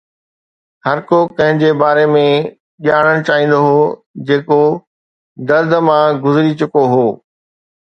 هر ڪو ڪنهن جي باري ۾ ڄاڻڻ چاهيندو هو جيڪو درد مان گذري چڪو هو